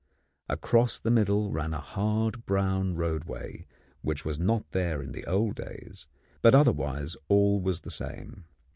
Across the middle ran a hard brown roadway which was not there in the old days; but otherwise all was the same.